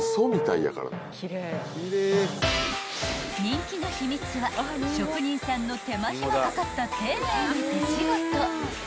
［人気の秘密は職人さんの手間暇かかった丁寧な手仕事］